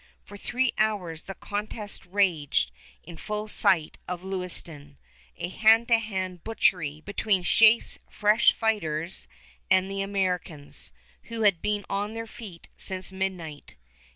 For three hours the contest raged in full sight of Lewiston, a hand to hand butchery between Sheaffe's fresh fighters and the Americans, who had been on their feet since midnight.